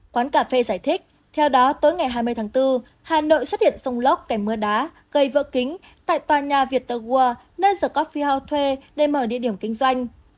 quán cà phê giải thích theo đó tối ngày hai mươi tháng bốn hà nội xuất hiện sông lóc kẻ mưa đá gây vỡ kính tại tòa nhà viettel world nơi the coffee house thuê để mở địa điểm kinh doanh